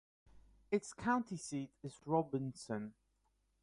Its county seat is Robinson.